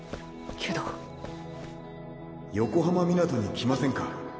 けど横浜湊に来ませんか？